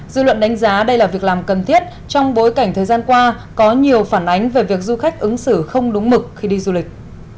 dư luận đánh giá đây là việc làm cần thiết trong bối cảnh thời gian qua có nhiều phản ánh về việc du khách ứng xử không đúng mực khi đi du lịch